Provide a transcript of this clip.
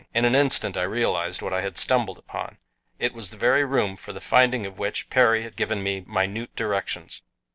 In an instant I realized what I had stumbled upon. It was the very room for the finding of which Perry had given me minute directions.